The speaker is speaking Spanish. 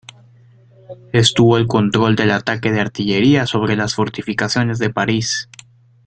Estuvo al control del ataque de artillería sobre las fortificaciones de París.